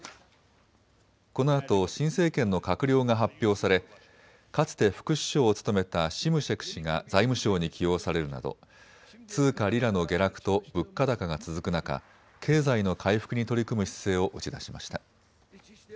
このあと新政権の閣僚が発表されかつて副首相を務めたシムシェク氏が財務相に起用されるなど通貨リラの下落と物価高が続く中、経済の回復に取り組む姿勢を打ち出しました。